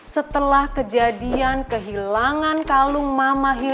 setelah kejadian kehilangan kalung mama hilal